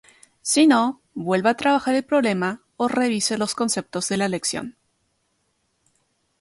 Si no, vuelva a trabajar el problema o revise los conceptos de la lección.